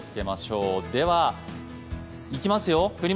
では、いきますよ。